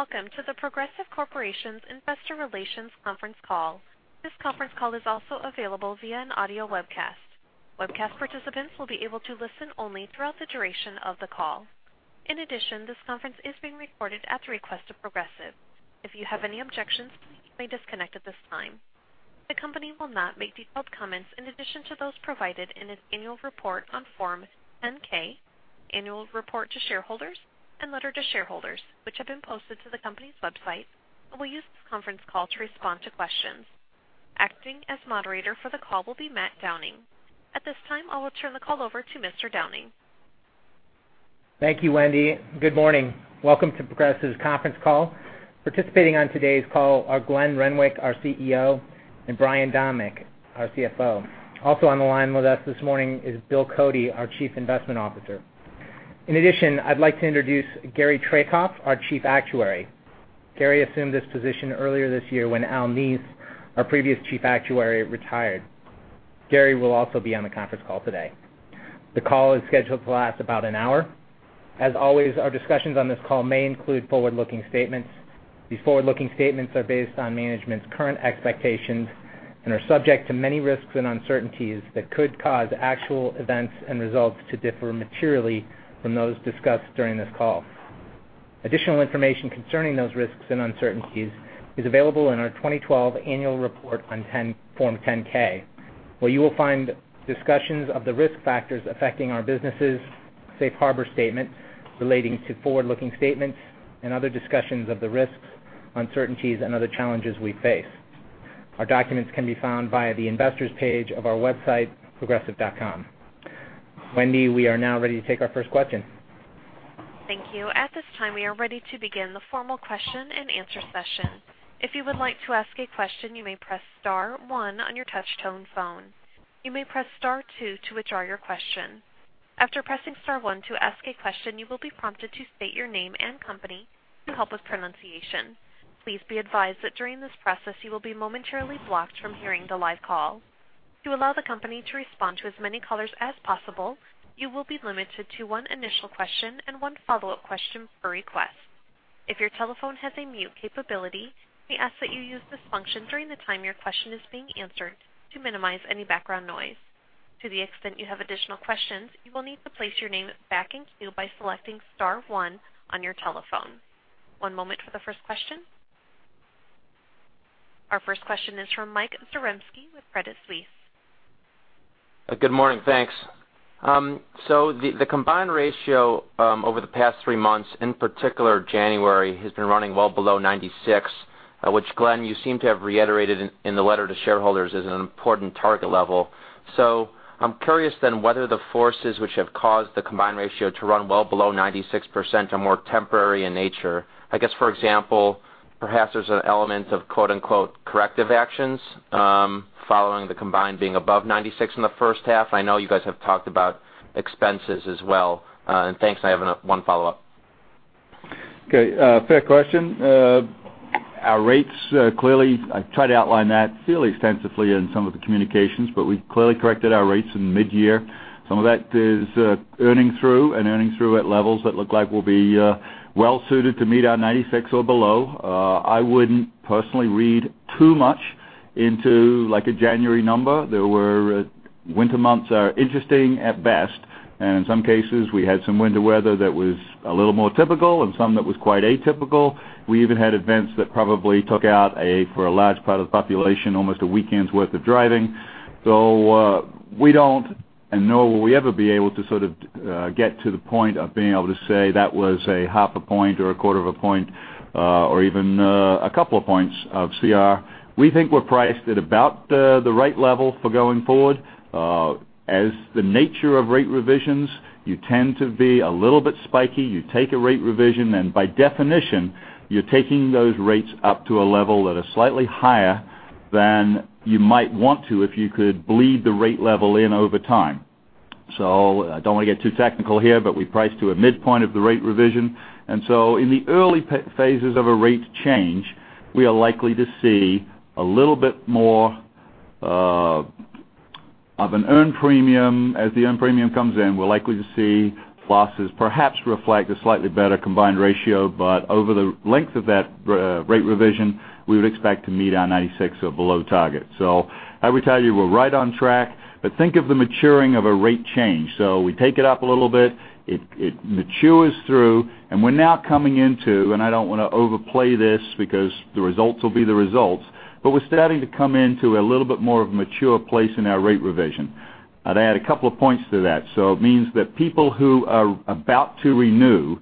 Welcome to The Progressive Corporation's Investor Relations conference call. This conference call is also available via an audio webcast. Webcast participants will be able to listen only throughout the duration of the call. In addition, this conference is being recorded at the request of Progressive. If you have any objections, please disconnect at this time. The company will not make detailed comments in addition to those provided in its annual report on Form 10-K, annual report to shareholders, and letter to shareholders, which have been posted to the company's website, and will use this conference call to respond to questions. Acting as moderator for the call will be Matt Downing. At this time, I will turn the call over to Mr. Downing. Thank you, Wendy. Good morning. Welcome to Progressive's conference call. Participating on today's call are Glenn Renwick, our CEO, and Brian Domeck, our CFO. Also on the line with us this morning is Bill Cody, our chief investment officer. In addition, I'd like to introduce Gary Trahaug, our chief actuary. Gary assumed this position earlier this year when Al Neese, our previous chief actuary, retired. Gary will also be on the conference call today. The call is scheduled to last about one hour. As always, our discussions on this call may include forward-looking statements. These forward-looking statements are based on management's current expectations and are subject to many risks and uncertainties that could cause actual events and results to differ materially from those discussed during this call. Additional information concerning those risks and uncertainties is available in our 2012 annual report on Form 10-K, where you will find discussions of the risk factors affecting our businesses, safe harbor statement relating to forward-looking statements, and other discussions of the risks, uncertainties, and other challenges we face. Our documents can be found via the investors page of our website, progressive.com. Wendy, we are now ready to take our first question. Thank you. At this time, we are ready to begin the formal question and answer session. If you would like to ask a question, you may press star one on your touchtone phone. You may press star two to withdraw your question. After pressing star one to ask a question, you will be prompted to state your name and company to help with pronunciation. Please be advised that during this process, you will be momentarily blocked from hearing the live call. To allow the company to respond to as many callers as possible, you will be limited to one initial question and one follow-up question per request. If your telephone has a mute capability, we ask that you use this function during the time your question is being answered to minimize any background noise. To the extent you have additional questions, you will need to place your name back in queue by selecting star one on your telephone. One moment for the first question. Our first question is from Mike Zaremski with Credit Suisse. Good morning. Thanks. The combined ratio, over the past three months, in particular January, has been running well below 96, which Glenn, you seem to have reiterated in the letter to shareholders as an important target level. I'm curious then whether the forces which have caused the combined ratio to run well below 96% are more temporary in nature. I guess, for example, perhaps there's an element of "corrective actions" following the combined being above 96 in the first half. I know you guys have talked about expenses as well. Thanks, I have one follow-up. Fair question. Our rates clearly, I tried to outline that fairly extensively in some of the communications, we've clearly corrected our rates in mid-year. Some of that is earning through and earning through at levels that look like will be well suited to meet our 96 or below. I wouldn't personally read too much into a January number. Winter months are interesting at best, and in some cases, we had some winter weather that was a little more typical and some that was quite atypical. We even had events that probably took out a, for a large part of the population, almost a weekend's worth of driving. We don't, nor will we ever be able to sort of get to the point of being able to say that was a half a point or a quarter of a point, or even a couple of points of CR. We think we're priced at about the right level for going forward. As the nature of rate revisions, you tend to be a little bit spiky. You take a rate revision, and by definition, you're taking those rates up to a level that is slightly higher than you might want to if you could bleed the rate level in over time. I don't want to get too technical here, we price to a midpoint of the rate revision. In the early phases of a rate change, we are likely to see a little bit more of an earned premium. As the earned premium comes in, we're likely to see losses perhaps reflect a slightly better combined ratio. Over the length of that rate revision, we would expect to meet our 96 or below target. I would tell you we're right on track, but think of the maturing of a rate change. We take it up a little bit, it matures through, and we're now coming into, and I don't want to overplay this because the results will be the results, but we're starting to come into a little bit more of a mature place in our rate revision. I'd add a couple of points to that. It means that people who are about to renew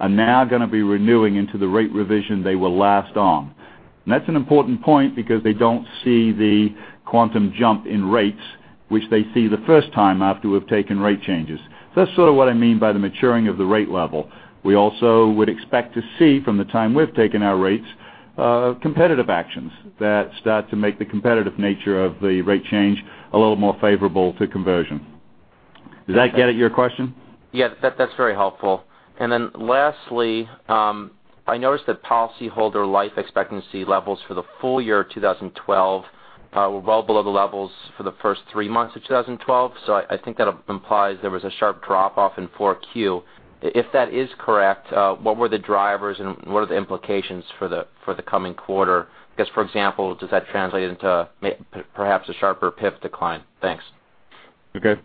are now going to be renewing into the rate revision they were last on. That's an important point because they don't see the quantum jump in rates which they see the first time after we've taken rate changes. That's sort of what I mean by the maturing of the rate level. We also would expect to see from the time we've taken our rates, competitive actions that start to make the competitive nature of the rate change a little more favorable to conversion. Does that get at your question? Yes. That's very helpful. Lastly, I noticed that policyholder life expectancy levels for the full year 2012 were well below the levels for the first three months of 2012. I think that implies there was a sharp drop-off in 4Q. If that is correct, what were the drivers and what are the implications for the coming quarter? I guess, for example, does that translate into perhaps a sharper PIP decline? Thanks. Okay.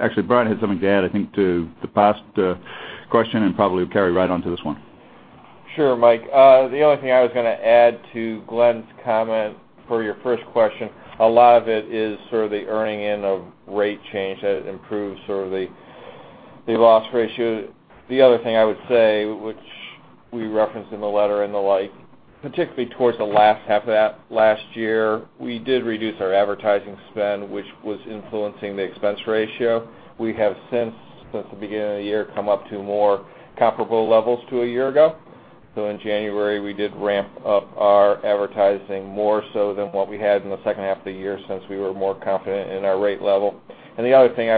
Actually, Brian had something to add, I think, to the past question and probably will carry right on to this one. Sure, Mike. The only thing I was going to add to Glenn's comment for your first question, a lot of it is sort of the earning in of rate change that improves sort of the loss ratio. The other thing I would say, which we referenced in the letter and the like, particularly towards the last half of that last year, we did reduce our advertising spend, which was influencing the expense ratio. We have since the beginning of the year, come up to more comparable levels to a year ago. In January, we did ramp up our advertising more so than what we had in the second half of the year since we were more confident in our rate level. The other thing,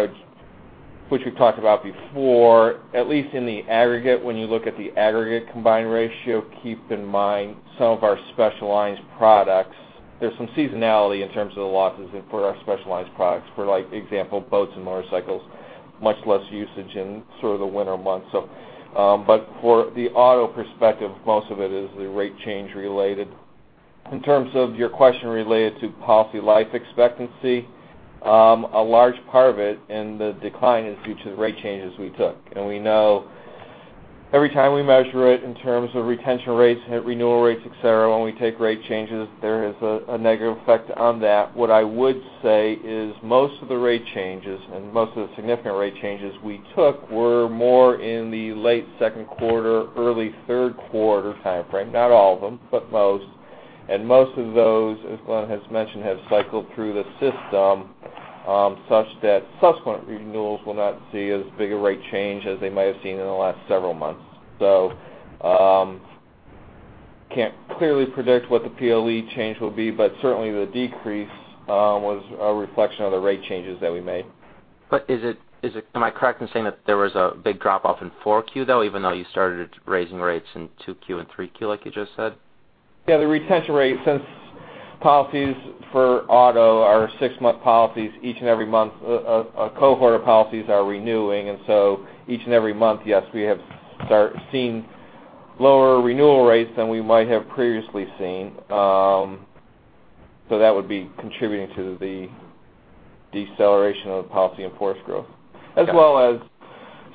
which we've talked about before, at least in the aggregate, when you look at the aggregate combined ratio, keep in mind some of our specialized products, there's some seasonality in terms of the losses for our specialized products. For example, boats and motorcycles, much less usage in sort of the winter months. For the auto perspective, most of it is the rate change related. In terms of your question related to policy life expectancy, a large part of it and the decline is due to the rate changes we took. We know every time we measure it in terms of retention rates, renewal rates, et cetera, when we take rate changes, there is a negative effect on that. What I would say is most of the rate changes and most of the significant rate changes we took were more in the late second quarter, early third quarter timeframe. Not all of them, but most. Most of those, as Glenn has mentioned, have cycled through the system, such that subsequent renewals will not see as big a rate change as they might have seen in the last several months. Can't clearly predict what the PLE change will be, but certainly the decrease was a reflection of the rate changes that we made. Am I correct in saying that there was a big drop-off in 4Q, though, even though you started raising rates in 2Q and 3Q, like you just said? Yeah, the retention rate, since policies for auto are six-month policies, each and every month a cohort of policies are renewing, each and every month, yes, we have start seeing lower renewal rates than we might have previously seen. That would be contributing to the deceleration of policy enforce growth, as well as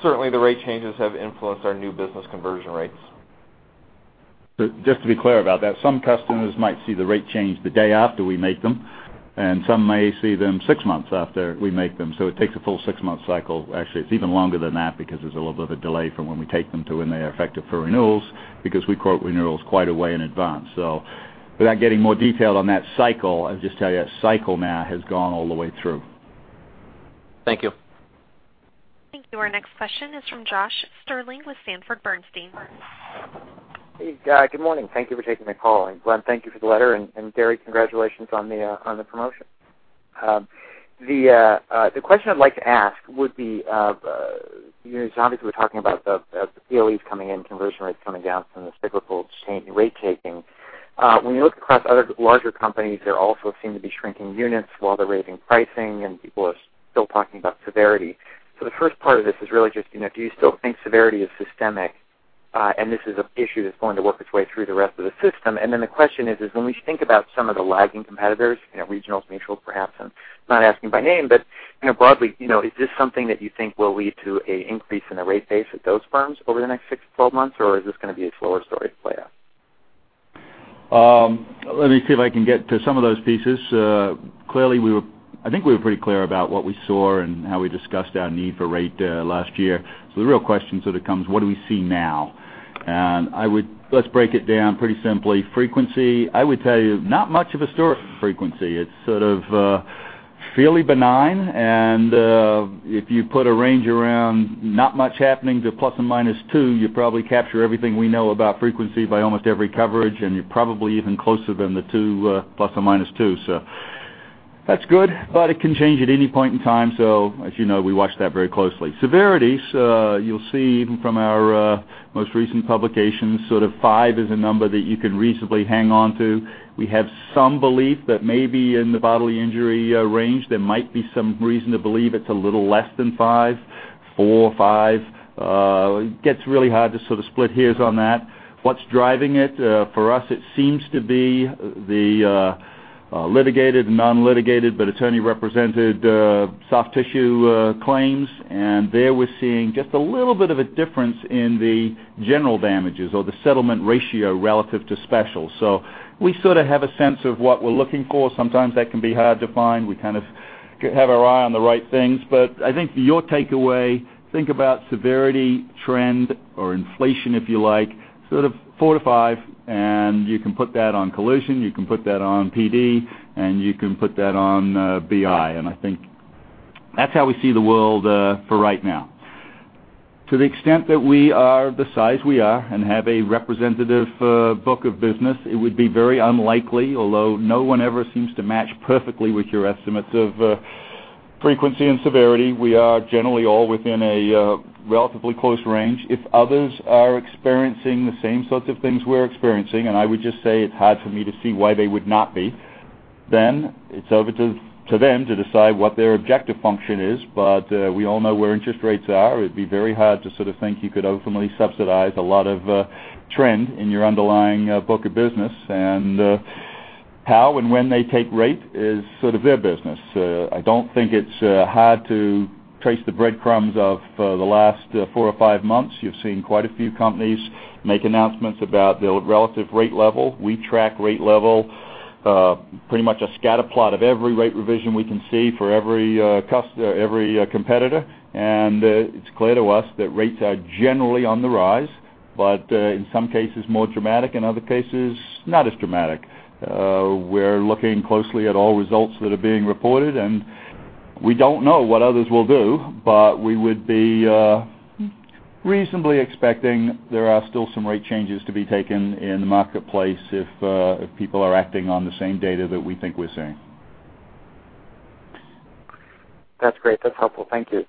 certainly the rate changes have influenced our new business conversion rates. Just to be clear about that, some customers might see the rate change the day after we make them, and some may see them six months after we make them. It takes a full six-month cycle. Actually, it's even longer than that because there's a little bit of a delay from when we take them to when they're effective for renewals, because we quote renewals quite a way in advance. Without getting more detailed on that cycle, I'll just tell you that cycle now has gone all the way through. Thank you. Thank you. Our next question is from Josh Stirling with Sanford Bernstein. Hey, guy. Good morning. Thank you for taking my call. Glenn, thank you for the letter, Gary, congratulations on the promotion. The question I'd like to ask would be, obviously we're talking about the PLEs coming in, conversion rates coming down from the cyclical rate taking. When you look across other larger companies, there also seem to be shrinking units while they're raising pricing and people are still talking about severity. The first part of this is really just, do you still think severity is systemic, and this is an issue that's going to work its way through the rest of the system? The question is, when we think about some of the lagging competitors, regionals, mutuals, perhaps I'm not asking by name, but broadly, is this something that you think will lead to an increase in the rate base at those firms over the next 6 to 12 months? Is this going to be a slower story to play out? Let me see if I can get to some of those pieces. I think we were pretty clear about what we saw and how we discussed our need for rate last year. The real question sort of comes, what do we see now? Let's break it down pretty simply. Frequency, I would tell you not much of a story frequency. It's sort of fairly benign, and if you put a range around not much happening to ±2, you probably capture everything we know about frequency by almost every coverage, and you're probably even closer than the 2, ±2. That's good, but it can change at any point in time, so as you know, we watch that very closely. Severities, you'll see even from our most recent publications, sort of 5 is a number that you can reasonably hang on to. We have some belief that maybe in the bodily injury range, there might be some reason to believe it's a little less than 5. 4, 5. It gets really hard to sort of split hairs on that. What's driving it? For us, it seems to be the litigated, non-litigated, but attorney-represented soft tissue claims. There we're seeing just a little bit of a difference in the general damages or the settlement ratio relative to special. We sort of have a sense of what we're looking for. Sometimes that can be hard to find. We kind of have our eye on the right things. I think your takeaway, think about severity trend or inflation, if you like, sort of 4 to 5, and you can put that on collision, you can put that on PD, and you can put that on BI. I think that's how we see the world for right now. To the extent that we are the size we are and have a representative book of business, it would be very unlikely, although no one ever seems to match perfectly with your estimates of frequency and severity. We are generally all within a relatively close range. If others are experiencing the same sorts of things we're experiencing, and I would just say it's hard for me to see why they would not be, then it's over to them to decide what their objective function is. We all know where interest rates are. It'd be very hard to sort of think you could openly subsidize a lot of trend in your underlying book of business. How and when they take rate is sort of their business. I don't think it's hard to trace the breadcrumbs of the last four or five months. You've seen quite a few companies make announcements about their relative rate level. We track rate level, pretty much a scatter plot of every rate revision we can see for every competitor. It's clear to us that rates are generally on the rise, but in some cases more dramatic, in other cases, not as dramatic. We're looking closely at all results that are being reported, and we don't know what others will do, but we would be reasonably expecting there are still some rate changes to be taken in the marketplace if people are acting on the same data that we think we're seeing. That's great. That's helpful. Thank you.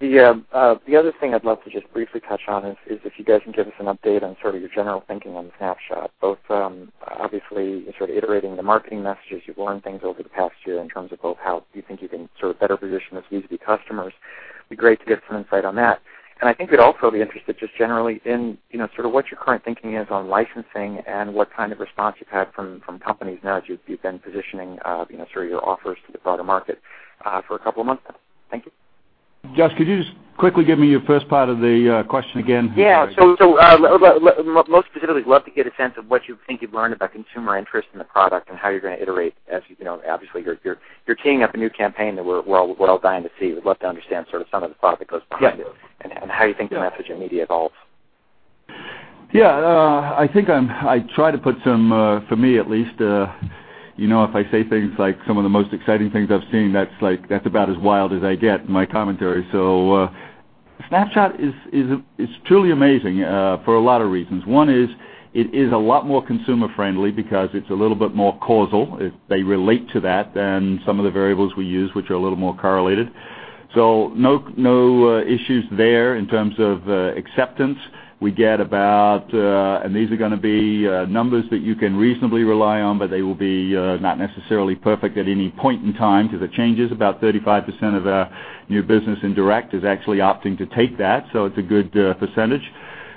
The other thing I'd love to just briefly touch on is if you guys can give us an update on sort of your general thinking on Snapshot, both from, obviously, sort of iterating the marketing messages. You've learned things over the past year in terms of both how you think you can sort of better position as B2B customers. It'd be great to get some insight on that. I think we'd also be interested just generally in sort of what your current thinking is on licensing and what kind of response you've had from companies now as you've been positioning sort of your offers to the broader market for a couple of months now. Thank you. Josh, could you just quickly give me your first part of the question again? Yeah. Most specifically, we'd love to get a sense of what you think you've learned about consumer interest in the product and how you're going to iterate. Obviously, you're teeing up a new campaign that we're all dying to see. We'd love to understand sort of some of the thought that goes behind it and how you think the message and media evolves. Yeah. I think I try to put some, for me at least, if I say things like some of the most exciting things I've seen, that's about as wild as I get in my commentary. Snapshot is truly amazing for a lot of reasons. One is it is a lot more consumer friendly because it's a little bit more causal. They relate to that than some of the variables we use, which are a little more correlated. No issues there in terms of acceptance. We get about, and these are going to be numbers that you can reasonably rely on, but they will be not necessarily perfect at any point in time because it changes. About 35% of our new business in direct is actually opting to take that. It's a good percentage.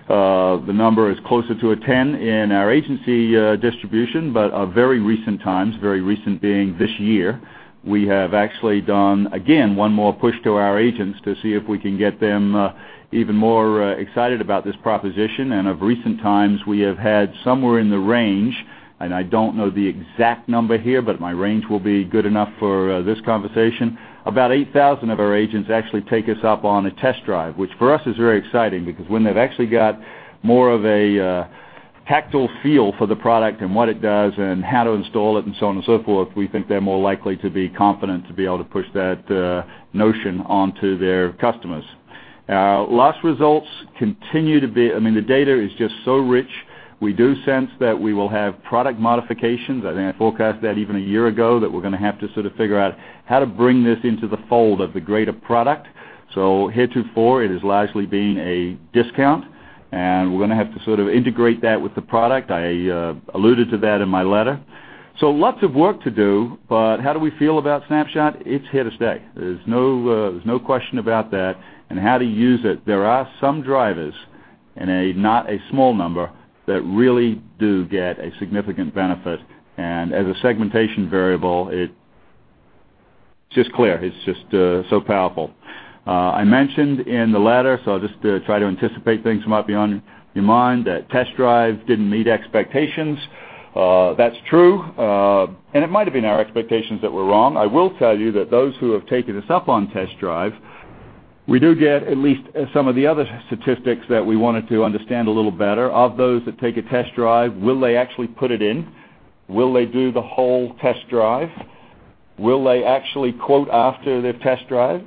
The number is closer to a 10 in our agency distribution. Very recent times, very recent being this year, we have actually done, again, one more push to our agents to see if we can get them even more excited about this proposition. Of recent times, we have had somewhere in the range, and I don't know the exact number here, but my range will be good enough for this conversation. About 8,000 of our agents actually take us up on a test drive, which for us is very exciting because when they've actually got more of a tactile feel for the product and what it does and how to install it and so on and so forth, we think they're more likely to be confident to be able to push that notion onto their customers. The data is just so rich. We do sense that we will have product modifications. I think I forecast that even a year ago, that we're going to have to sort of figure out how to bring this into the fold of the greater product. Heretofore, it has largely been a discount, and we're going to have to sort of integrate that with the product. I alluded to that in my letter. Lots of work to do, but how do we feel about Snapshot? It's here to stay. There's no question about that. How to use it, there are some drivers in a not a small number that really do get a significant benefit. As a segmentation variable, it's just clear. It's just so powerful. I mentioned in the letter, I'll just try to anticipate things might be on your mind, that test drive didn't meet expectations. That's true. It might have been our expectations that were wrong. I will tell you that those who have taken us up on test drive, we do get at least some of the other statistics that we wanted to understand a little better. Of those that take a test drive, will they actually put it in? Will they do the whole test drive? Will they actually quote after their test drive?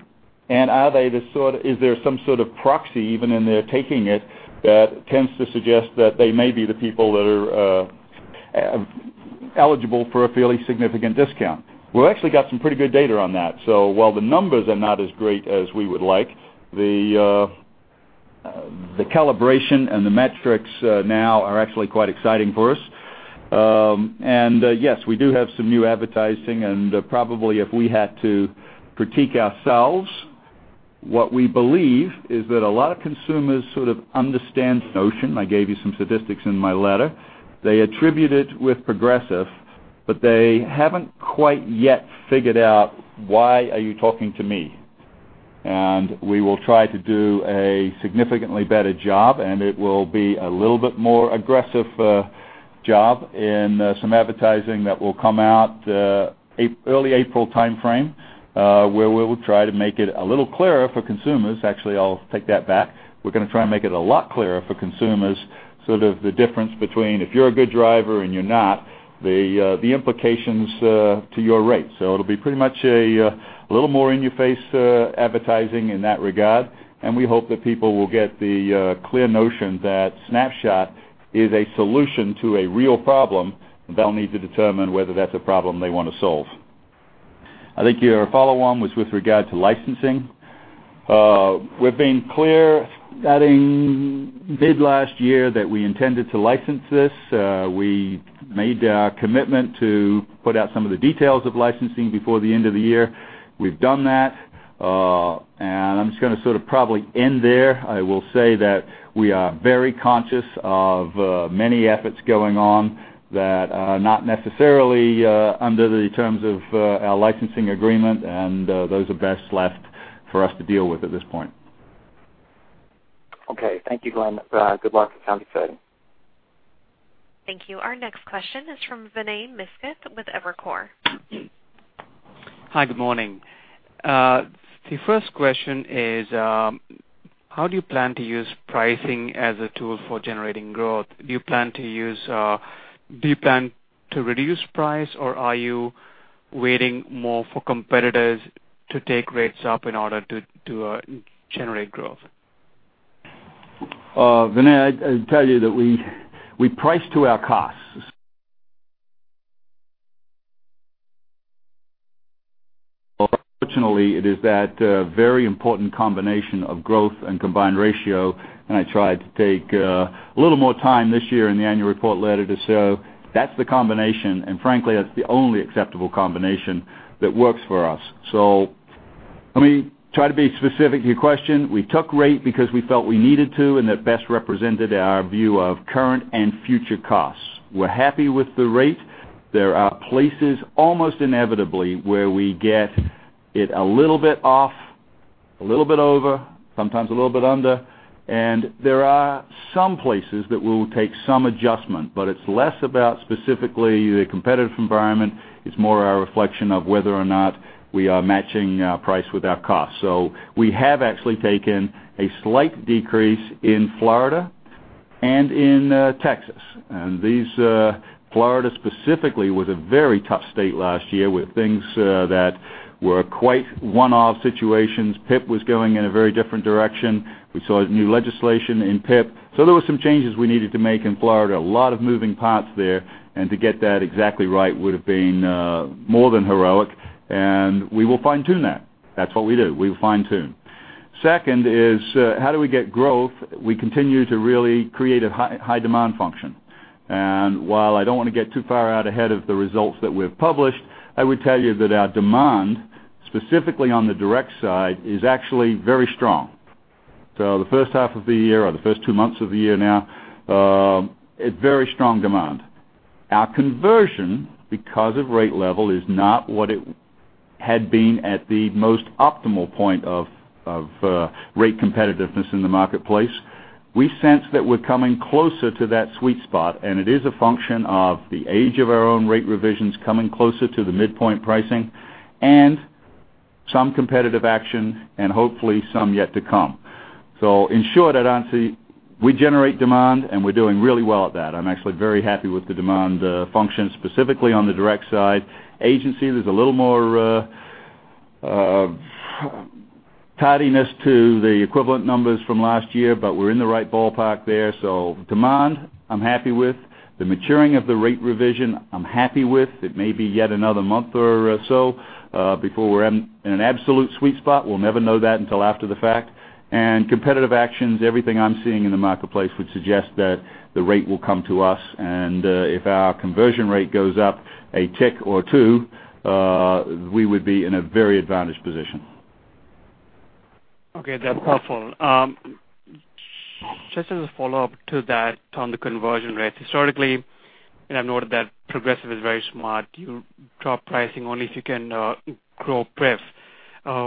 Is there some sort of proxy even in their taking it that tends to suggest that they may be the people that are eligible for a fairly significant discount? We've actually got some pretty good data on that. While the numbers are not as great as we would like, the calibration and the metrics now are actually quite exciting for us. Yes, we do have some new advertising, and probably if we had to critique ourselves, what we believe is that a lot of consumers sort of understand the notion. I gave you some statistics in my letter. They attribute it with Progressive, but they haven't quite yet figured out, why are you talking to me? We will try to do a significantly better job, and it will be a little bit more aggressive job in some advertising that will come out early April timeframe where we will try to make it a little clearer for consumers. Actually, I'll take that back. We're going to try and make it a lot clearer for consumers, sort of the difference between if you're a good driver and you're not, the implications to your rate. It'll be pretty much a little more in your face advertising in that regard, and we hope that people will get the clear notion that Snapshot is a solution to a real problem. They'll need to determine whether that's a problem they want to solve. I think your follow-on was with regard to licensing. We've been clear, starting mid last year, that we intended to license this. We made our commitment to put out some of the details of licensing before the end of the year. We've done that. I'm just going to sort of probably end there. I will say that we are very conscious of many efforts going on that are not necessarily under the terms of our licensing agreement, and those are best left for us to deal with at this point. Okay. Thank you, Glenn. Good luck. It sounds exciting. Thank you. Our next question is from Vinay Misquith with Evercore. Hi. Good morning. The first question is, how do you plan to use pricing as a tool for generating growth? Do you plan to reduce price, or are you waiting more for competitors to take rates up in order to generate growth? Vinay, I'd tell you that we price to our costs. Unfortunately, it is that very important combination of growth and combined ratio, and I tried to take a little more time this year in the annual report letter to show that's the combination, and frankly, that's the only acceptable combination that works for us. Let me try to be specific to your question. We took rate because we felt we needed to, and that best represented our view of current and future costs. We're happy with the rate. There are places almost inevitably where we get it a little bit off, a little bit over, sometimes a little bit under, and there are some places that will take some adjustment, but it's less about specifically the competitive environment. It's more our reflection of whether or not we are matching our price with our cost. We have actually taken a slight decrease in Florida and in Texas. These, Florida specifically, was a very tough state last year with things that were quite one-off situations. PIP was going in a very different direction. We saw new legislation in PIP. There were some changes we needed to make in Florida. A lot of moving parts there, and to get that exactly right would've been more than heroic, and we will fine-tune that. That's what we do. We fine-tune. Second is how do we get growth? We continue to really create a high demand function. While I don't want to get too far out ahead of the results that we've published, I would tell you that our demand, specifically on the direct side, is actually very strong. The first half of the year or the first two months of the year now, a very strong demand. Our conversion, because of rate level, is not what it had been at the most optimal point of rate competitiveness in the marketplace. We sense that we're coming closer to that sweet spot, and it is a function of the age of our own rate revisions coming closer to the midpoint pricing and some competitive action and hopefully some yet to come. In short, Vinay, we generate demand, and we're doing really well at that. I'm actually very happy with the demand function, specifically on the direct side. Agency, there's a little more tidiness to the equivalent numbers from last year, but we're in the right ballpark there. Demand, I'm happy with. The maturing of the rate revision, I'm happy with. It may be yet another month or so, before we're in an absolute sweet spot. We'll never know that until after the fact. Competitive actions, everything I'm seeing in the marketplace would suggest that the rate will come to us, and if our conversion rate goes up a tick or two, we would be in a very advantaged position. Okay. That's helpful. Just as a follow-up to that on the conversion rate, historically, I've noted that Progressive is very smart. You drop pricing only if you can grow PIF.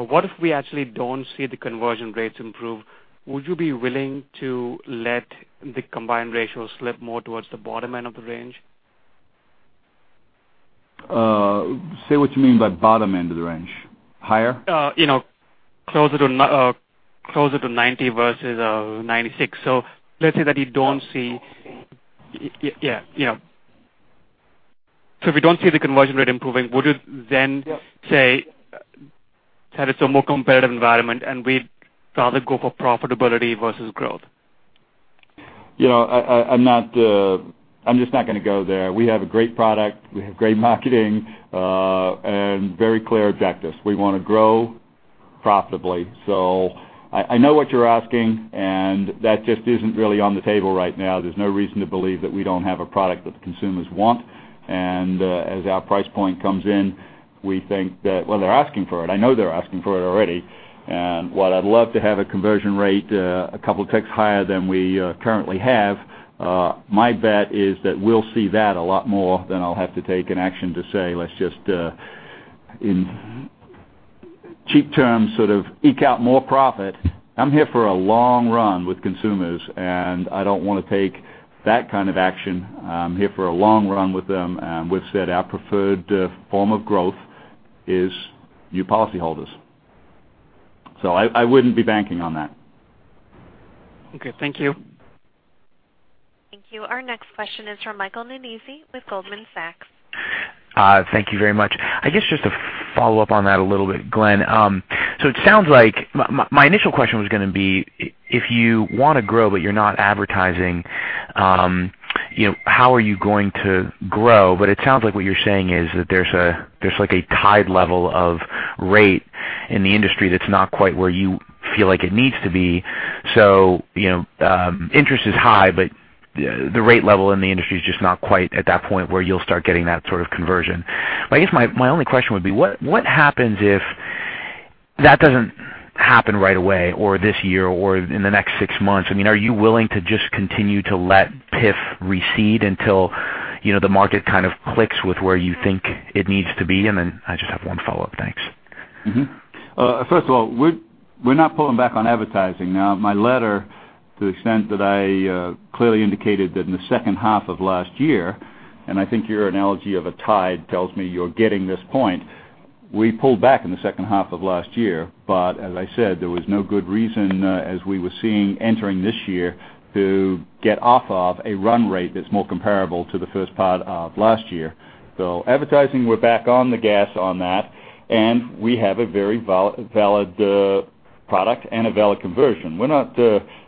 What if we actually don't see the conversion rates improve? Would you be willing to let the combined ratio slip more towards the bottom end of the range? Say what you mean by bottom end of the range. Higher? Closer to 90 versus 96. If you don't see the conversion rate improving, would you then say that it's a more competitive environment, and we'd rather go for profitability versus growth? I'm just not going to go there. We have a great product, we have great marketing, and very clear objectives. We want to grow profitably. I know what you're asking, and that just isn't really on the table right now. There's no reason to believe that we don't have a product that the consumers want. As our price point comes in, we think that they're asking for it. I know they're asking for it already. While I'd love to have a conversion rate a couple ticks higher than we currently have, my bet is that we'll see that a lot more than I'll have to take an action to say let's just, in cheap terms, sort of eke out more profit. I'm here for a long run with consumers, and I don't want to take that kind of action. I'm here for a long run with them, and we've said our preferred form of growth is new policyholders. I wouldn't be banking on that. Okay. Thank you. Thank you. Our next question is from Michael Nannizzi with Goldman Sachs. Thank you very much. I guess just to follow up on that a little bit, Glenn. My initial question was gonna be if you wanna grow but you're not advertising, how are you going to grow? It sounds like what you're saying is that there's like a tide level of rate in the industry, that's not quite where you feel like it needs to be. Interest is high, but the rate level in the industry is just not quite at that point where you'll start getting that sort of conversion. I guess my only question would be, what happens if that doesn't happen right away, or this year, or in the next six months? Are you willing to just continue to let PIF recede until the market kind of clicks with where you think it needs to be? I just have one follow-up. Thanks. First of all, we're not pulling back on advertising. My letter, to the extent that I clearly indicated that in the second half of last year, I think your analogy of a tide tells me you're getting this point. We pulled back in the second half of last year. As I said, there was no good reason as we were seeing entering this year to get off of a run rate that's more comparable to the first part of last year. Advertising, we're back on the gas on that, and we have a very valid product and a valid conversion.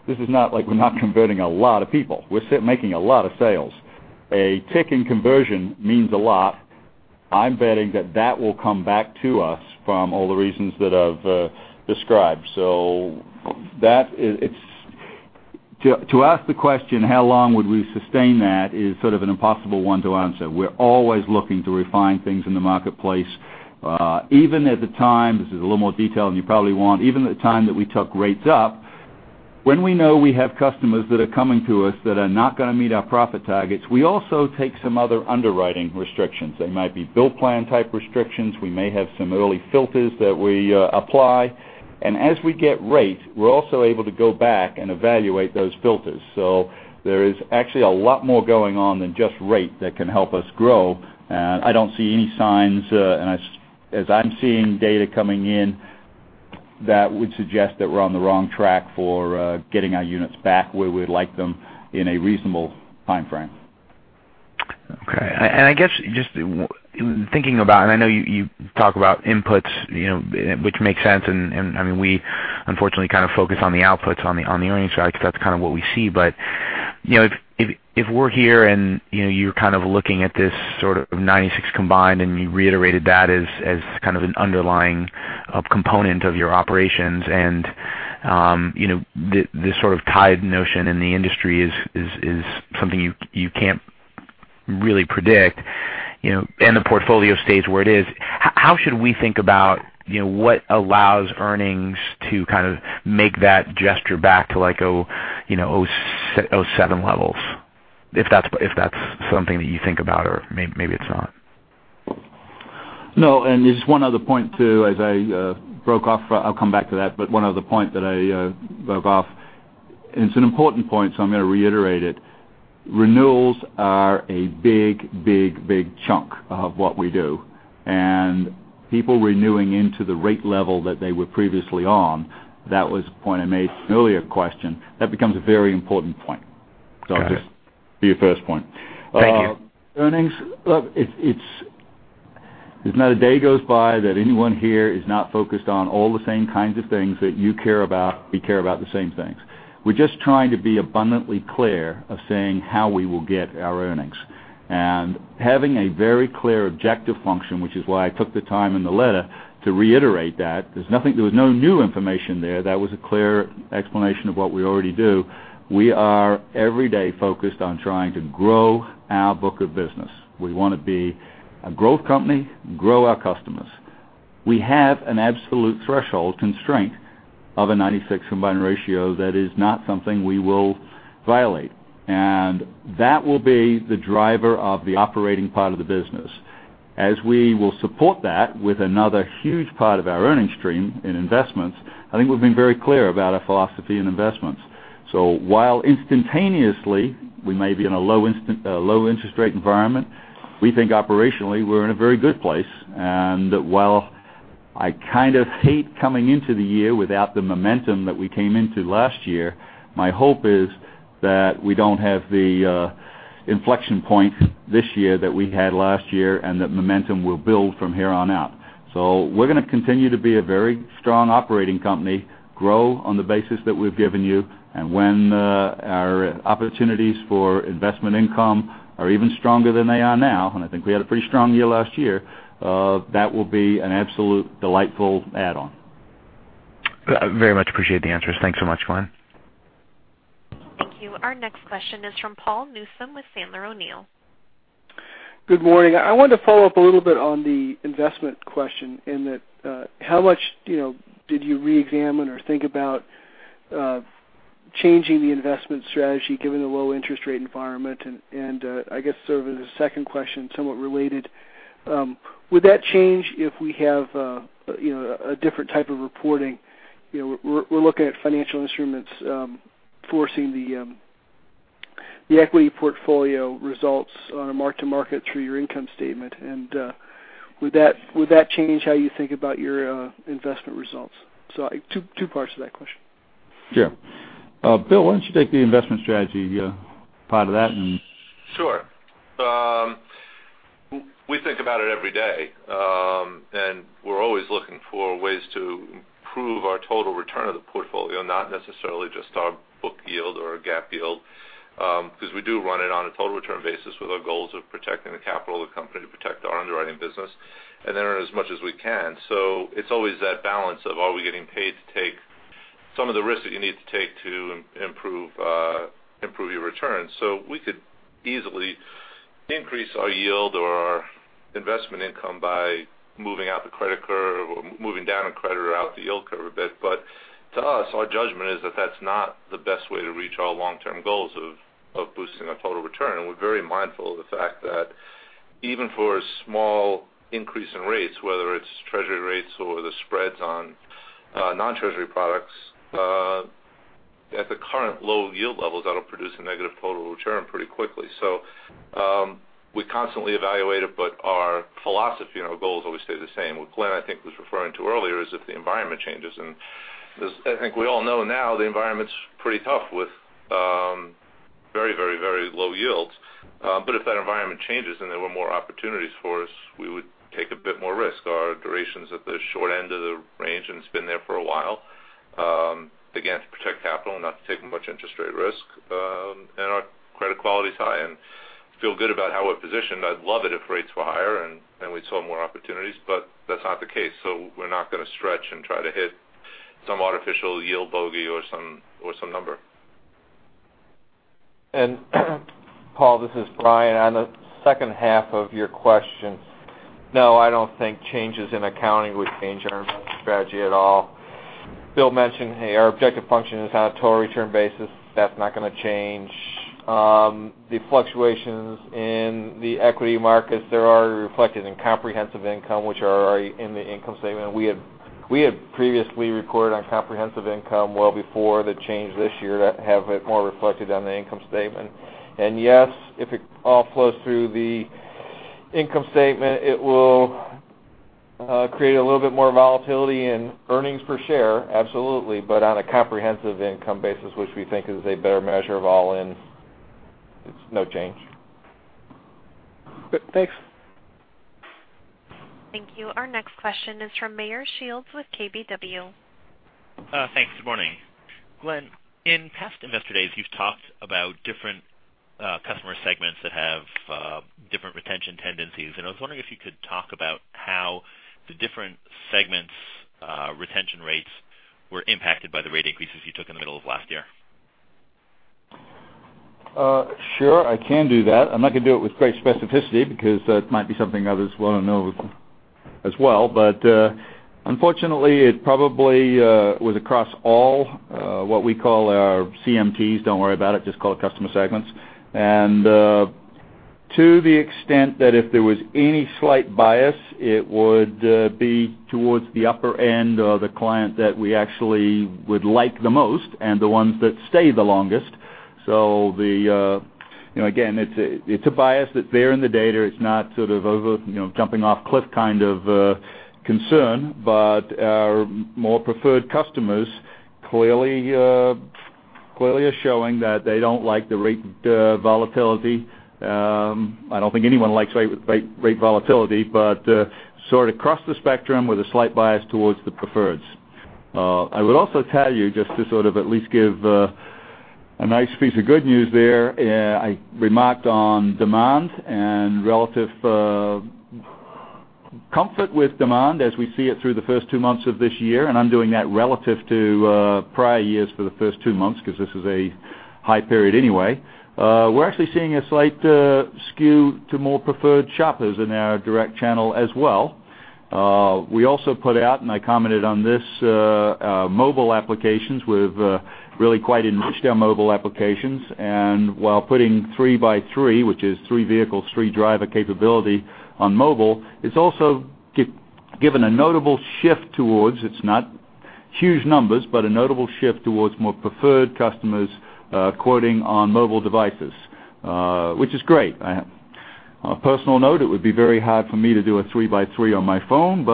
This is not like we're not converting a lot of people. We're making a lot of sales. A ticking conversion means a lot. I'm betting that that will come back to us from all the reasons that I've described. To ask the question, how long would we sustain that is sort of an impossible one to answer. We're always looking to refine things in the marketplace. This is a little more detail than you probably want. Even at the time that we took rates up, when we know we have customers that are coming to us that are not going to meet our profit targets, we also take some other underwriting restrictions. They might be bill plan type restrictions. We may have some early filters that we apply. As we get rate, we're also able to go back and evaluate those filters. There is actually a lot more going on than just rate that can help us grow. I don't see any signs, as I'm seeing data coming in, that would suggest that we're on the wrong track for getting our units back where we'd like them in a reasonable timeframe. Okay. I guess, just thinking about, I know you talk about inputs, which makes sense, we unfortunately kind of focus on the outputs on the earnings side because that's kind of what we see. If we're here, you're kind of looking at this sort of 96 combined, you reiterated that as kind of an underlying component of your operations, this sort of tide notion in the industry is something you can't really predict, the portfolio stays where it is. How should we think about what allows earnings to kind of make that gesture back to 0.7 levels? If that's something that you think about, or maybe it's not. No, there's one other point, too, as I broke off, I'll come back to that, one other point that I broke off, it's an important point, I'm going to reiterate it. Renewals are a big, big, big chunk of what we do. People renewing into the rate level that they were previously on, that was a point I made in an earlier question, that becomes a very important point. Got it. Just to your first point. Thank you. Earnings, there's not a day goes by that anyone here is not focused on all the same kinds of things that you care about. We care about the same things. We're just trying to be abundantly clear of saying how we will get our earnings. Having a very clear objective function, which is why I took the time in the letter to reiterate that. There was no new information there. That was a clear explanation of what we already do. We are every day focused on trying to grow our book of business. We want to be a growth company, grow our customers. We have an absolute threshold constraint of a 96 combined ratio that is not something we will violate. That will be the driver of the operating part of the business. We will support that with another huge part of our earnings stream in investments, I think we've been very clear about our philosophy in investments. While instantaneously, we may be in a low interest rate environment, we think operationally we're in a very good place. While I kind of hate coming into the year without the momentum that we came into last year, my hope is that we don't have the inflection point this year that we had last year and that momentum will build from here on out. We're going to continue to be a very strong operating company, grow on the basis that we've given you, and when our opportunities for investment income are even stronger than they are now, and I think we had a pretty strong year last year, that will be an absolute delightful add-on. Very much appreciate the answers. Thanks so much, Glenn. Thank you. Our next question is from Paul Newsome with Sandler O'Neill. Good morning. I wanted to follow up a little bit on the investment question in that how much did you reexamine or think about changing the investment strategy, given the low interest rate environment? I guess sort of as a second question, somewhat related, would that change if we have a different type of reporting? We're looking at financial instruments forcing the equity portfolio results on a mark to market through your income statement. Would that change how you think about your investment results? Two parts to that question. Sure. Bill, why don't you take the investment strategy part of that. Sure. We think about it every day, we're always looking for ways to improve our total return of the portfolio, not necessarily just our book yield or our GAAP yield, because we do run it on a total return basis with our goals of protecting the capital of the company, to protect our underwriting business, and then earn as much as we can. It's always that balance of, are we getting paid to take some of the risks that you need to take to improve your returns? We could easily increase our yield or our investment income by moving out the credit curve or moving down a credit or out the yield curve a bit. To us, our judgment is that that's not the best way to reach our long-term goals of boosting our total return. We're very mindful of the fact that even for a small increase in rates, whether it's treasury rates or the spreads on non-treasury products, at the current low yield levels, that'll produce a negative total return pretty quickly. We constantly evaluate it, our philosophy and our goals always stay the same. What Glenn, I think, was referring to earlier is if the environment changes, I think we all know now the environment's pretty tough with very low yields. If that environment changes and there were more opportunities for us, we would take a bit more risk. Our duration's at the short end of the range, and it's been there for a while, again, to protect capital and not to take much interest rate risk. Our credit quality's high, and I feel good about how we're positioned. I'd love it if rates were higher and we saw more opportunities, that's not the case, we're not going to stretch and try to hit some artificial yield bogey or some number. Paul, this is Brian. On the second half of your question, no, I don't think changes in accounting would change our investment strategy at all. Bill mentioned our objective function is on a total return basis. That's not going to change. The fluctuations in the equity markets, they're already reflected in comprehensive income, which are already in the income statement. We had previously reported on comprehensive income well before the change this year to have it more reflected on the income statement. Yes, if it all flows through the income statement, it will create a little bit more volatility in earnings per share, absolutely. But on a comprehensive income basis, which we think is a better measure of all in, it's no change. Good. Thanks. Thank you. Our next question is from Meyer Shields with KBW. Thanks. Good morning. Glenn, in past investor days, you've talked about different customer segments that have different retention tendencies, and I was wondering if you could talk about how the different segments' retention rates were impacted by the rate increases you took in the middle of last year. Sure, I can do that. I'm not going to do it with great specificity because that might be something others want to know as well. Unfortunately, it probably was across all what we call our CMTs. Don't worry about it, just call it customer segments. To the extent that if there was any slight bias, it would be towards the upper end of the client that we actually would like the most and the ones that stay the longest. Again, it's a bias that's there in the data. It's not sort of over jumping off a cliff kind of concern. Our more preferred customers clearly are showing that they don't like the rate volatility. I don't think anyone likes rate volatility, but sort of across the spectrum with a slight bias towards the preferreds. I would also tell you, just to sort of at least give a nice piece of good news there, I remarked on demand and relative comfort with demand as we see it through the first two months of this year, I'm doing that relative to prior years for the first two months because this is a high period anyway. We're actually seeing a slight skew to more preferred shoppers in our direct channel as well. We also put out, I commented on this, mobile applications. We've really quite enriched our mobile applications. While putting three by three, which is three vehicles, three driver capability on mobile, it's also given a notable shift towards, it's not huge numbers, but a notable shift towards more preferred customers quoting on mobile devices, which is great. On a personal note, it would be very hard for me to do a three by three on my phone,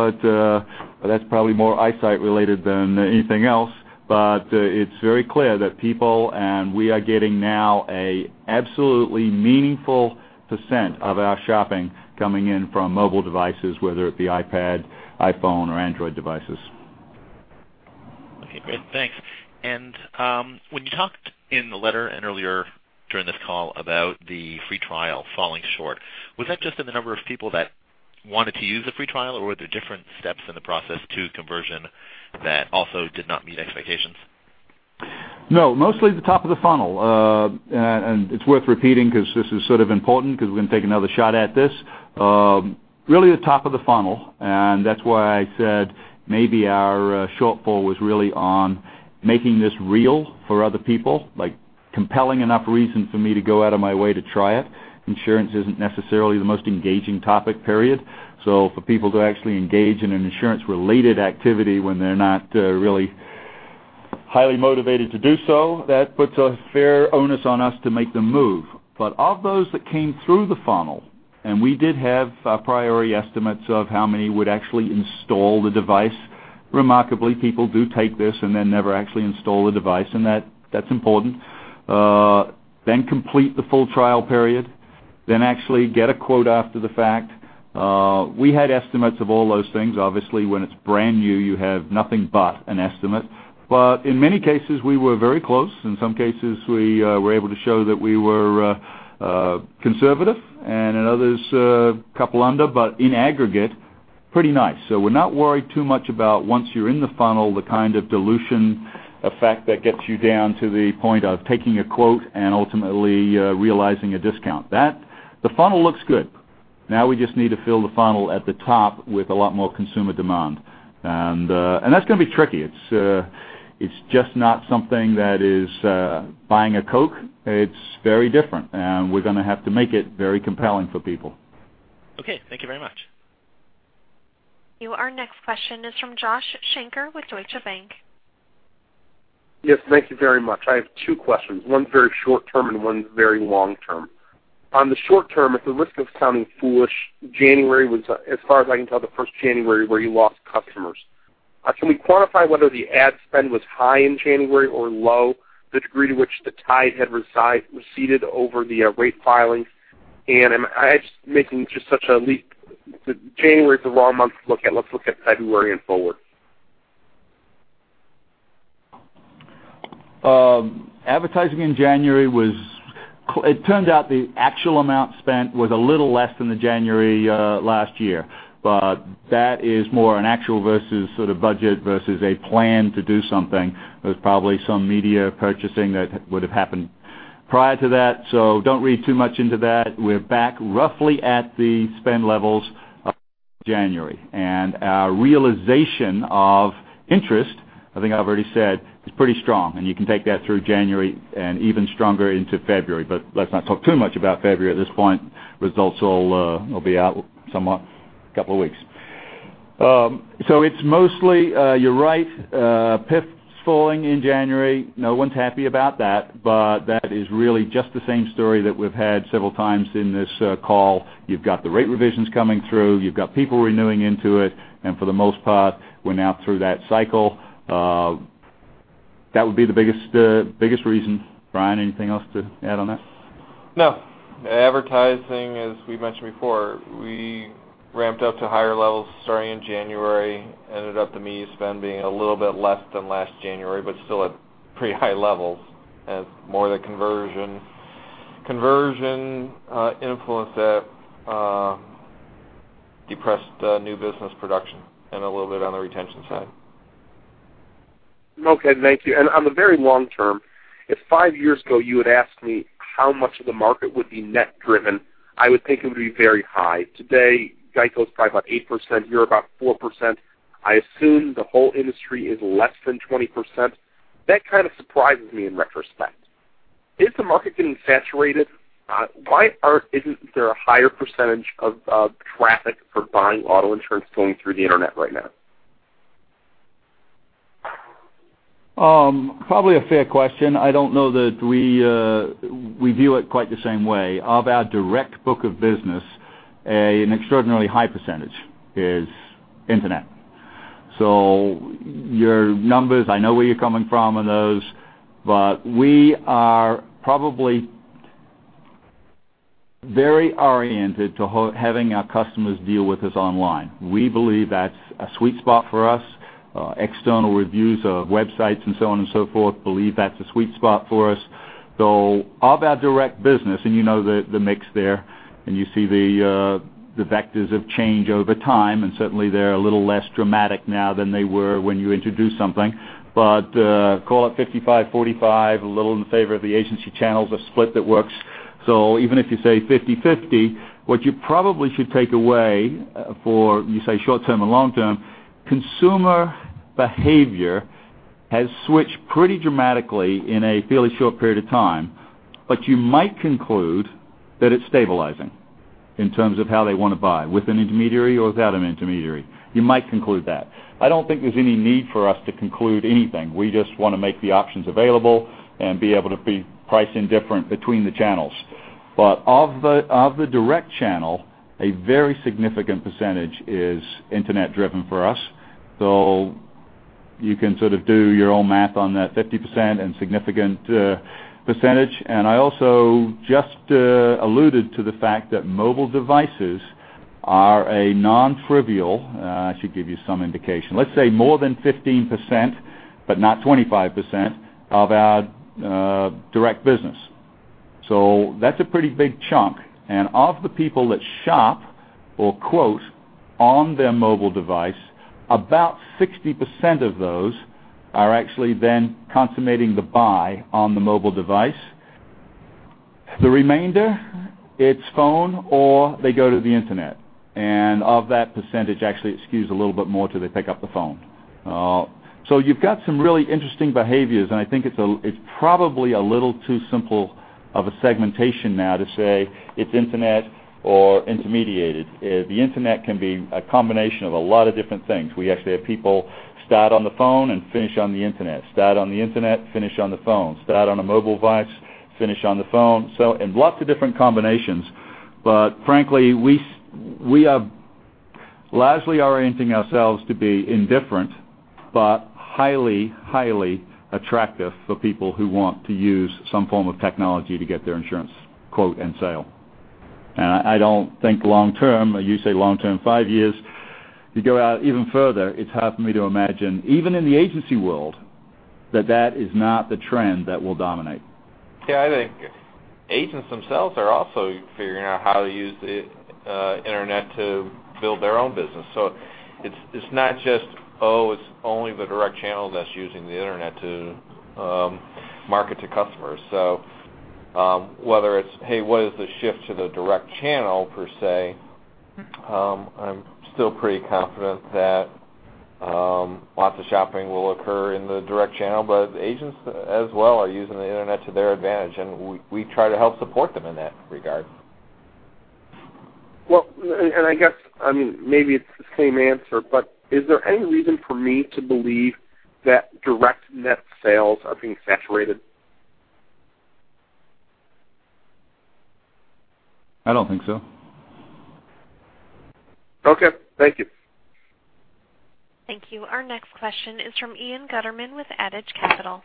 that's probably more eyesight related than anything else. It's very clear that people, and we are getting now an absolutely meaningful percent of our shopping coming in from mobile devices, whether it be iPad, iPhone, or Android devices. Okay, great. Thanks. When you talked in the letter and earlier during this call about the free trial falling short, was that just in the number of people that wanted to use the free trial, or were there different steps in the process to conversion that also did not meet expectations? No, mostly the top of the funnel. It's worth repeating because this is sort of important because we're going to take another shot at this. Really the top of the funnel, that's why I said maybe our shortfall was really on making this real for other people, like compelling enough reason for me to go out of my way to try it. Insurance isn't necessarily the most engaging topic, period. For people to actually engage in an insurance-related activity when they're not really highly motivated to do so, that puts a fair onus on us to make them move. Of those that came through the funnel, we did have priority estimates of how many would actually install the device. Remarkably, people do take this and then never actually install the device, and that's important. Complete the full trial period. Actually get a quote after the fact. We had estimates of all those things. Obviously, when it's brand new, you have nothing but an estimate. In many cases, we were very close. In some cases, we were able to show that we were conservative, in others, a couple under, but in aggregate, pretty nice. We're not worried too much about once you're in the funnel, the kind of dilution effect that gets you down to the point of taking a quote and ultimately realizing a discount. The funnel looks good. Now we just need to fill the funnel at the top with a lot more consumer demand. That's going to be tricky. It's just not something that is buying a Coke. It's very different, we're going to have to make it very compelling for people. Okay. Thank you very much. Our next question is from Joshua Shanker with Deutsche Bank. Yes, thank you very much. I have two questions. One very short term and one very long term. On the short term, at the risk of sounding foolish, January was, as far as I can tell, the first January where you lost customers. Can we quantify whether the ad spend was high in January or low, the degree to which the tide had receded over the rate filings? I'm making just such a leap. January is the wrong month to look at. Let's look at February and forward. Advertising in January, it turned out the actual amount spent was a little less than the January last year. That is more an actual versus sort of budget versus a plan to do something. There's probably some media purchasing that would have happened prior to that, so don't read too much into that. We're back roughly at the spend levels of January. Our realization of interest, I think I've already said, is pretty strong, and you can take that through January and even stronger into February. Let's not talk too much about February at this point. Results will be out somewhat couple of weeks. It's mostly, you're right, PIF falling in January. No one's happy about that, but that is really just the same story that we've had several times in this call. You've got the rate revisions coming through. You've got people renewing into it, and for the most part, we're now through that cycle. That would be the biggest reason. Brian, anything else to add on that? No. Advertising, as we mentioned before, we ramped up to higher levels starting in January, ended up the media spend being a little bit less than last January, but still at pretty high levels. More the conversion influence that depressed new business production and a little bit on the retention side. Okay. Thank you. On the very long term, if five years ago you had asked me how much of the market would be net driven, I would think it would be very high. Today, Geico's probably about 8%, you're about 4%. I assume the whole industry is less than 20%. That kind of surprises me in retrospect. Is the market getting saturated? Why isn't there a higher percentage of traffic for buying auto insurance going through the internet right now? Probably a fair question. I don't know that we view it quite the same way. Of our direct book of business, an extraordinarily high percentage is internet. Your numbers, I know where you're coming from on those, but we are probably very oriented to having our customers deal with us online. We believe that's a sweet spot for us. External reviews of websites and so on and so forth believe that's a sweet spot for us. Of our direct business, and you know the mix there, and you see the vectors of change over time, and certainly they're a little less dramatic now than they were when you introduce something. Call it 55/45, a little in favor of the agency channels, a split that works. Even if you say 50/50, what you probably should take away for, you say short term and long term, consumer behavior has switched pretty dramatically in a fairly short period of time. You might conclude that it's stabilizing in terms of how they want to buy, with an intermediary or without an intermediary. You might conclude that. I don't think there's any need for us to conclude anything. We just want to make the options available and be able to be price indifferent between the channels. Of the direct channel, a very significant percentage is internet driven for us. You can sort of do your own math on that 50% and significant percentage. I also just alluded to the fact that mobile devices are a non-trivial, I should give you some indication. Let's say more than 15%, but not 25% of our direct business. That's a pretty big chunk. Of the people that shop or quote on their mobile device, about 60% of those are actually then consummating the buy on the mobile device. The remainder, it's phone or they go to the internet. Of that percentage, actually it skews a little bit more till they pick up the phone. You've got some really interesting behaviors, and I think it's probably a little too simple of a segmentation now to say it's internet or intermediated. The internet can be a combination of a lot of different things. We actually have people start on the phone and finish on the internet, start on the internet, finish on the phone, start on a mobile device, finish on the phone. Lots of different combinations. Frankly, we have largely orienting ourselves to be indifferent, but highly attractive for people who want to use some form of technology to get their insurance quote and sale. I don't think long term, you say long term, 5 years, you go out even further, it's hard for me to imagine, even in the agency world, that that is not the trend that will dominate. Yeah, I think agents themselves are also figuring out how to use the internet to build their own business. It's not just, it's only the direct channel that's using the internet to market to customers. Whether it's, hey, what is the shift to the direct channel, per se, I'm still pretty confident that lots of shopping will occur in the direct channel, but agents as well are using the internet to their advantage, and we try to help support them in that regard. Well, I guess, maybe it's the same answer, is there any reason for me to believe that direct net sales are being saturated? I don't think so. Okay. Thank you. Thank you. Our next question is from Ian Gutterman with Adage Capital.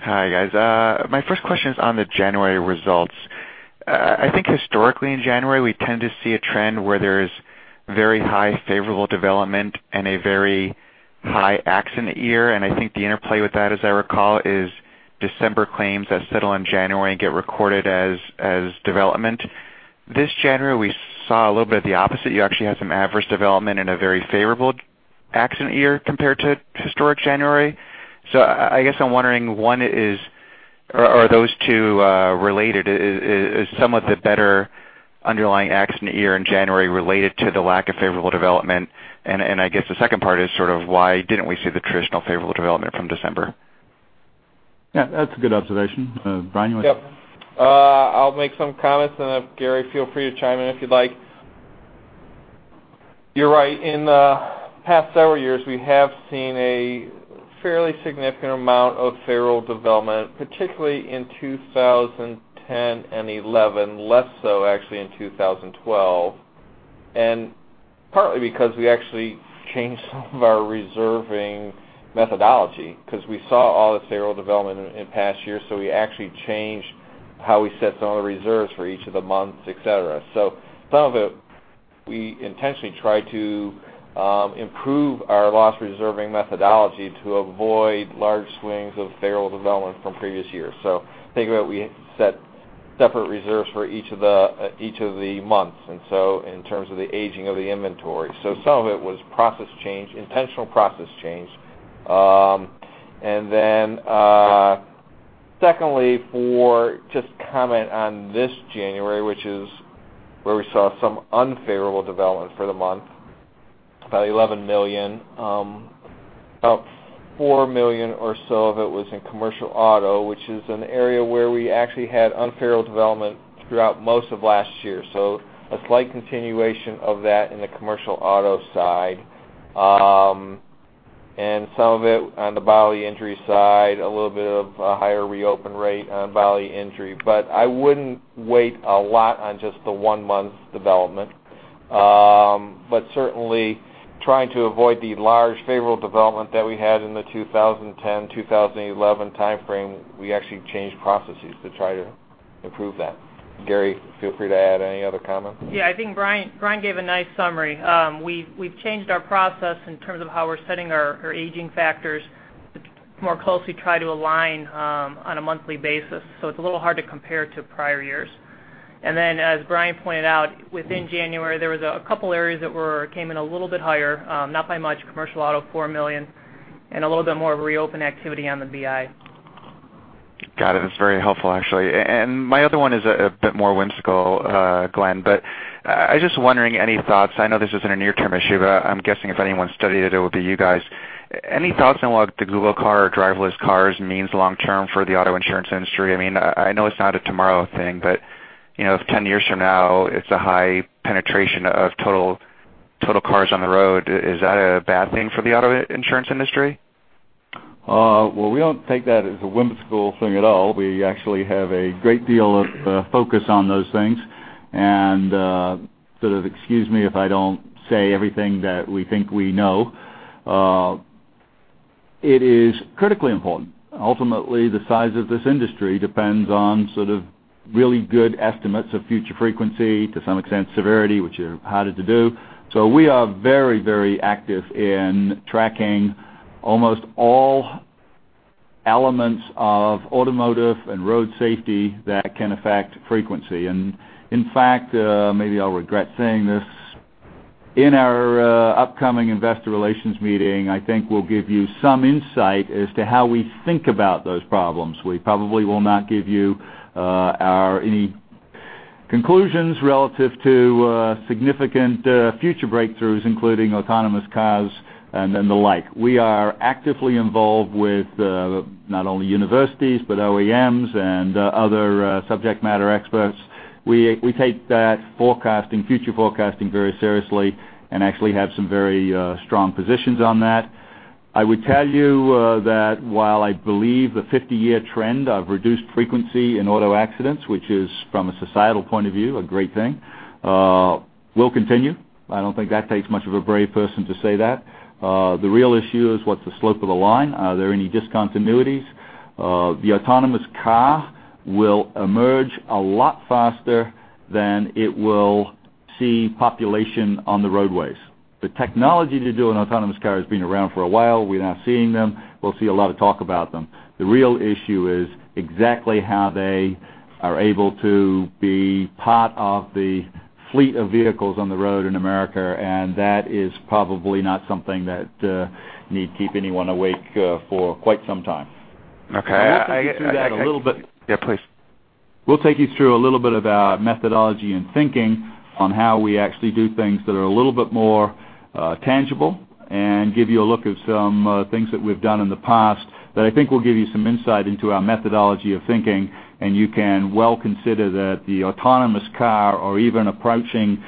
Hi, guys. My first question is on the January results. I think historically in January, we tend to see a trend where there's very high favorable development and a very high accident year. I think the interplay with that, as I recall, is December claims that settle in January and get recorded as development. This January, we saw a little bit of the opposite. You actually had some adverse development and a very favorable accident year compared to historic January. I guess I'm wondering, one is, are those two related? Is some of the better underlying accident year in January related to the lack of favorable development? I guess the second part is sort of why didn't we see the traditional favorable development from December? Yeah, that's a good observation. Brian, you want to take that? Yep. I'll make some comments, and if Gary, feel free to chime in if you'd like. You're right. In the past several years, we have seen a fairly significant amount of favorable development, particularly in 2010 and 2011, less so actually in 2012. Partly because we actually changed some of our reserving methodology because we saw all this favorable development in past years, we actually changed how we set some of the reserves for each of the months, et cetera. Some of it, we intentionally tried to improve our loss reserving methodology to avoid large swings of favorable development from previous years. Think about we set separate reserves for each of the months. In terms of the aging of the inventory. Some of it was process change, intentional process change. Secondly, for just comment on this January, which is where we saw some unfavorable development for the month, about $11 million. About $4 million or so of it was in commercial auto, which is an area where we actually had unfavorable development throughout most of last year. A slight continuation of that in the commercial auto side. Some of it on the bodily injury side, a little bit of a higher reopen rate on bodily injury. I wouldn't weight a lot on just the one month's development. Certainly trying to avoid the large favorable development that we had in the 2010, 2011 timeframe, we actually changed processes to try to improve that. Gary, feel free to add any other comments. I think Brian gave a nice summary. We've changed our process in terms of how we're setting our aging factors to more closely try to align on a monthly basis. It's a little hard to compare to prior years. As Brian pointed out, within January, there was a couple areas that came in a little bit higher. Not by much, commercial auto, $4 million, and a little bit more of a reopen activity on the BI. Got it. That's very helpful, actually. My other one is a bit more whimsical, Glenn, I was just wondering, any thoughts? I know this isn't a near-term issue, but I'm guessing if anyone studied it would be you guys. Any thoughts on what the Google car or driverless cars means long term for the auto insurance industry? I know it's not a tomorrow thing, but if 10 years from now, it's a high penetration of total cars on the road, is that a bad thing for the auto insurance industry? Well, we don't take that as a whimsical thing at all. We actually have a great deal of focus on those things. Excuse me if I don't say everything that we think we know. It is critically important. Ultimately, the size of this industry depends on sort of really good estimates of future frequency, to some extent severity, which are harder to do. We are very active in tracking almost all elements of automotive and road safety that can affect frequency. In fact, maybe I'll regret saying this, in our upcoming investor relations meeting, I think we'll give you some insight as to how we think about those problems. We probably will not give you any conclusions relative to significant future breakthroughs, including autonomous cars and then the like. We are actively involved with not only universities, but OEMs and other subject matter experts. We take that future forecasting very seriously and actually have some very strong positions on that. I would tell you that while I believe the 50-year trend of reduced frequency in auto accidents, which is from a societal point of view, a great thing, will continue. I don't think that takes much of a brave person to say that. The real issue is what's the slope of the line? Are there any discontinuities? The autonomous car will emerge a lot faster than it will see population on the roadways. The technology to do an autonomous car has been around for a while. We're now seeing them. We'll see a lot of talk about them. The real issue is exactly how they are able to be part of the fleet of vehicles on the road in America, and that is probably not something that need keep anyone awake for quite some time. Okay. I will take you through that a little bit. Yeah, please. We'll take you through a little bit of our methodology and thinking on how we actually do things that are a little bit more tangible and give you a look at some things that we've done in the past that I think will give you some insight into our methodology of thinking. You can well consider that the autonomous car or even approaching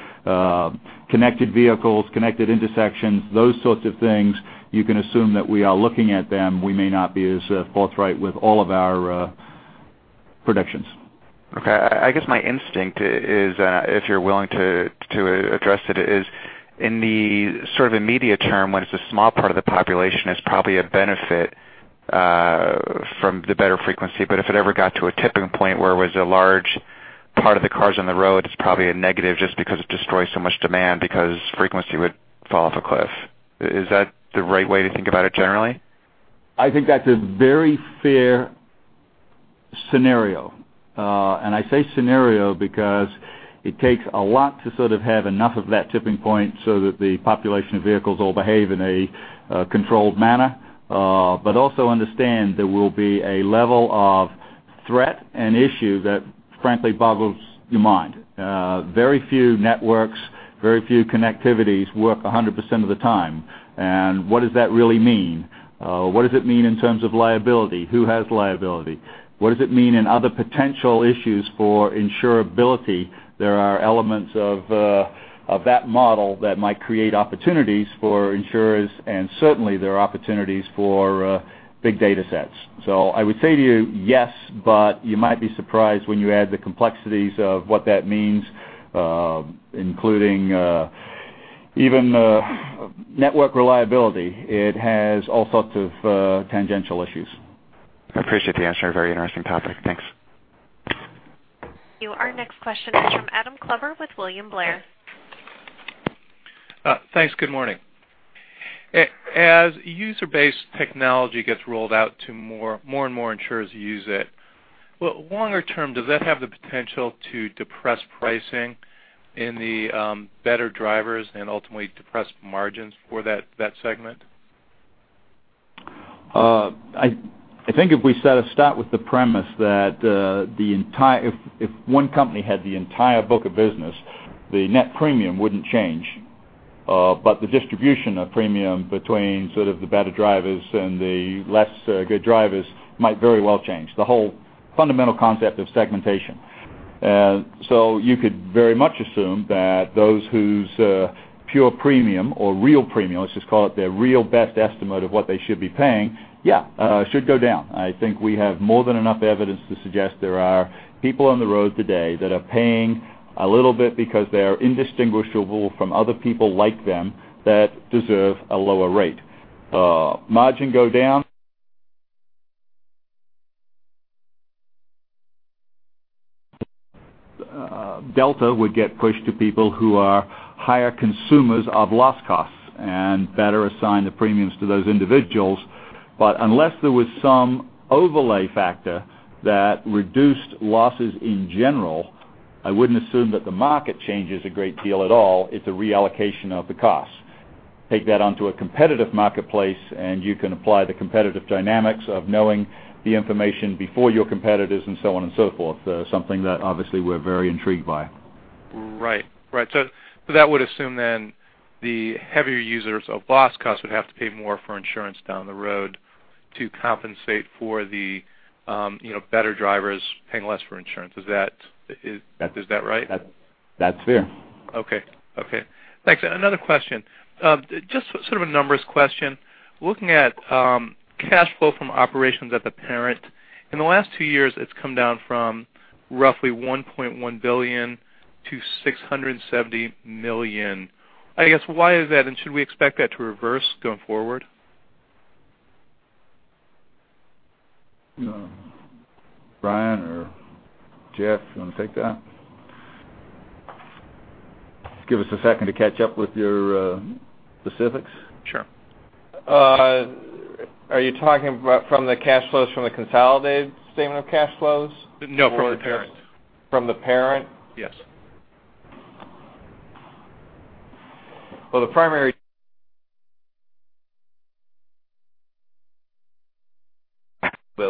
connected vehicles, connected intersections, those sorts of things, you can assume that we are looking at them. We may not be as forthright with all of our predictions. Okay. I guess my instinct, if you're willing to address it, is in the sort of immediate term, when it's a small part of the population, it's probably a benefit from the better frequency. If it ever got to a tipping point where it was a large part of the cars on the road, it's probably a negative just because it destroys so much demand, because frequency would fall off a cliff. Is that the right way to think about it generally? I think that's a very fair scenario. I say scenario because it takes a lot to sort of have enough of that tipping point so that the population of vehicles all behave in a controlled manner. Also understand there will be a level of threat and issue that frankly boggles your mind. Very few networks, very few connectivities work 100% of the time. What does that really mean? What does it mean in terms of liability? Who has liability? What does it mean in other potential issues for insurability? There are elements of that model that might create opportunities for insurers, and certainly there are opportunities for big data sets. I would say to you, yes, but you might be surprised when you add the complexities of what that means, including even network reliability. It has all sorts of tangential issues. I appreciate the answer. Very interesting topic. Thanks. Our next question is from Adam Klever with William Blair. Thanks. Good morning. As user-based technology gets rolled out to more and more insurers use it, longer term, does that have the potential to depress pricing in the better drivers and ultimately depress margins for that segment? I think if we set a stat with the premise that if one company had the entire book of business, the net premium wouldn't change. The distribution of premium between sort of the better drivers and the less good drivers might very well change, the whole fundamental concept of segmentation. You could very much assume that those whose pure premium or real premium, let's just call it their real best estimate of what they should be paying, should go down. I think we have more than enough evidence to suggest there are people on the road today that are paying a little bit because they are indistinguishable from other people like them that deserve a lower rate. Margin go down. Delta would get pushed to people who are higher consumers of loss costs and better assign the premiums to those individuals. Unless there was some overlay factor that reduced losses in general, I wouldn't assume that the market changes a great deal at all. It's a reallocation of the cost. Take that onto a competitive marketplace, you can apply the competitive dynamics of knowing the information before your competitors and so on and so forth. Something that obviously we're very intrigued by. Right. That would assume then the heavier users of loss costs would have to pay more for insurance down the road to compensate for the better drivers paying less for insurance. Is that right? That's fair. Okay. Thanks. Another question, just sort of a numbers question. Looking at cash flow from operations at the parent. In the last two years, it's come down from roughly $1.1 billion to $670 million. I guess, why is that? Should we expect that to reverse going forward? Brian or Jeff, you want to take that? Give us a second to catch up with your specifics. Sure. Are you talking about from the cash flows from the consolidated statement of cash flows? No, from the parent. From the parent? Yes. Well,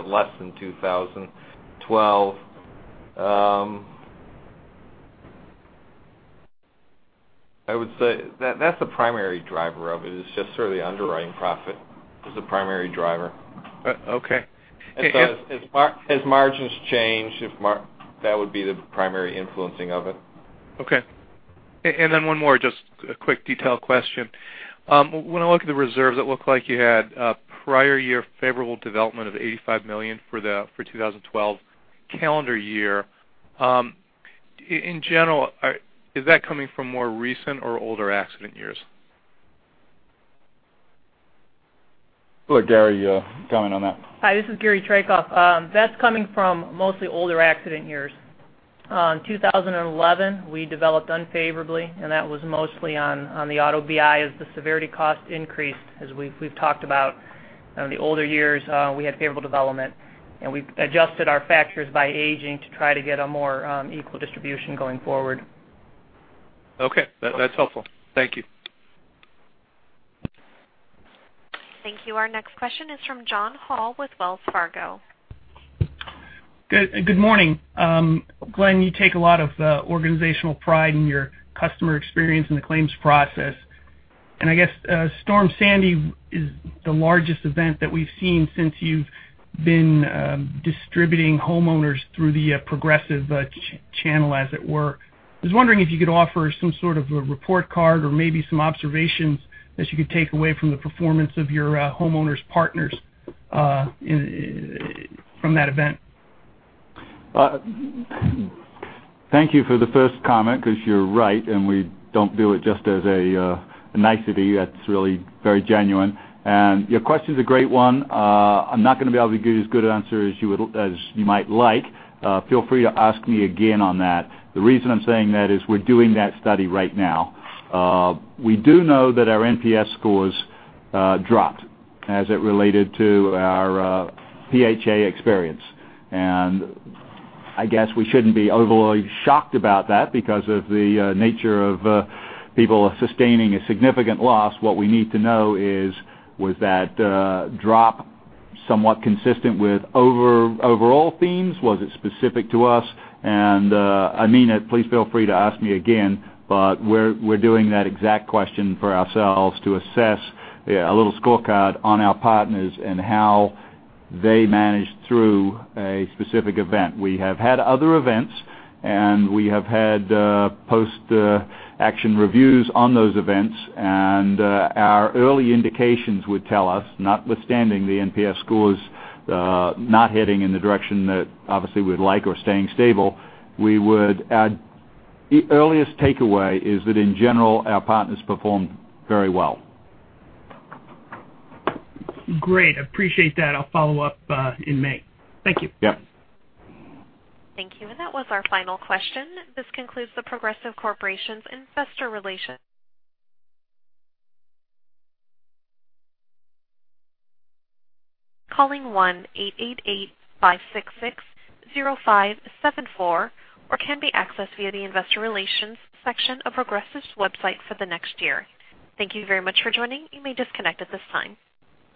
less than 2012. I would say that's the primary driver of it, is just sort of the underwriting profit is the primary driver. Okay. As margins change, that would be the primary influencing of it. Okay. One more, just a quick detail question. When I look at the reserves, it looked like you had prior year favorable development of $85 million for 2012 calendar year. In general, is that coming from more recent or older accident years? Sure, Gary, comment on that. Hi, this is Gary Trahaug. That's coming from mostly older accident years. In 2011, we developed unfavorably, and that was mostly on the auto BI as the severity cost increased, as we've talked about. The older years, we had favorable development, and we've adjusted our factors by aging to try to get a more equal distribution going forward. Okay. That's helpful. Thank you. Thank you. Our next question is from John Hall with Wells Fargo. Good morning. Glenn, you take a lot of organizational pride in your customer experience in the claims process. I guess Superstorm Sandy is the largest event that we've seen since you've been distributing homeowners through the Progressive channel, as it were. I was wondering if you could offer some sort of a report card or maybe some observations that you could take away from the performance of your homeowners partners from that event. Thank you for the first comment, because you're right, we don't do it just as a nicety. That's really very genuine. Your question's a great one. I'm not going to be able to give you as good an answer as you might like. Feel free to ask me again on that. The reason I'm saying that is we're doing that study right now. We do know that our NPS scores dropped as it related to our PHA experience. I guess we shouldn't be overly shocked about that because of the nature of people sustaining a significant loss. What we need to know is, was that drop somewhat consistent with overall themes? Was it specific to us? I mean it, please feel free to ask me again, we're doing that exact question for ourselves to assess a little scorecard on our partners and how they managed through a specific event. We have had other events, we have had post-action reviews on those events, our early indications would tell us, notwithstanding the NPS scores not heading in the direction that obviously we'd like or staying stable, we would add the earliest takeaway is that in general, our partners performed very well. Great. Appreciate that. I'll follow up in May. Thank you. Yeah. Thank you. That was our final question. This concludes The Progressive Corporation's Investor Relations. Calling 1-888-566-0574, or can be accessed via the investor relations section of Progressive's website for the next year. Thank you very much for joining. You may disconnect at this time.